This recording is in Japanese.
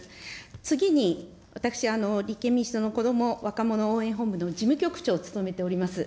次に、私、立憲民主党の子ども・若者応援本部の事務局長を務めております。